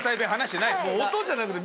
音じゃなくて。